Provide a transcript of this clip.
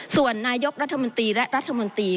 ส่วนนายกรัฐมนตรีและรัฐมนตรี